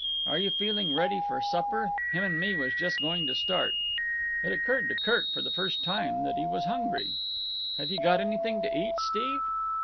Are you feeling ready for supper? Him and me was just going to start." It occurred to Kirk for the first time that he was hungry. "Have you got anything to eat, Steve?"